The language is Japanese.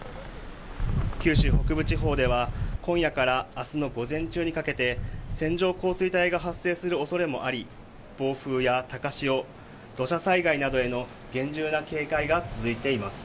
九州北部地方では、今夜から明日の午前中にかけて、線状降水帯が発生するおそれもあり暴風や高潮、土砂災害などへの厳重な警戒が続いています。